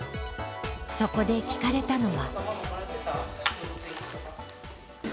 そこで聞かれたのは。